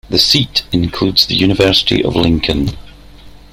The seat includes the University of Lincoln.